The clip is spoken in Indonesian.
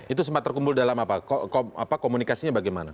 itu sempat terkumpul dalam apa komunikasinya bagaimana